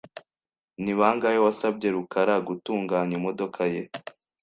Ni bangahe wasabye rukara gutunganya imodoka ye?